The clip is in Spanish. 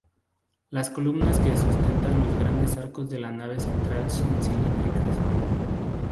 Las columnas que sustentan los grandes arcos de la nave central son cilíndricas.